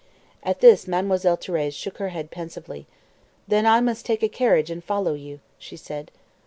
At this Mademoiselle Thérèse shook her head pensively. "Then I must take a carriage and follow you," she said.